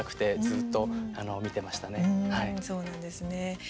うん、そうなんですね。